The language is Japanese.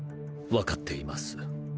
分かっています。